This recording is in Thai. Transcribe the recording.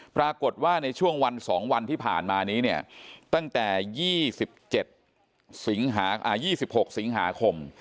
ปรากฏว่าในช่วงวัน๒วันที่ผ่านมานี้เนี่ยตั้งแต่๒๗๒๖สิงหาคม